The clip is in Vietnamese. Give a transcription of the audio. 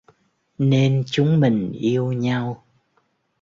Nên chúng mình yêu nhau